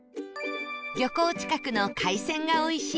漁港近くの海鮮がおいしい